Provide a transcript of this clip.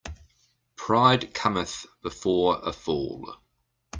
Pride cometh before a fall.